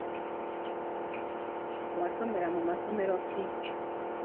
Wasomera mu masomero ki ?